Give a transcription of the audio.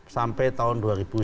sampai tahun dua ribu sembilan belas